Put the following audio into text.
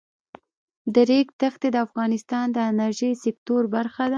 د ریګ دښتې د افغانستان د انرژۍ سکتور برخه ده.